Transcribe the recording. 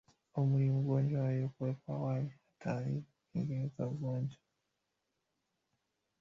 Umri magonjwa yaliyokuwepo awali hatari zingine za ugonjwa